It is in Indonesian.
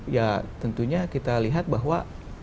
ya tentunya kita lihat bahwa